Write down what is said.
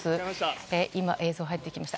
その映像が入ってきました。